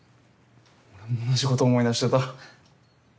俺も同じこと思い出してた。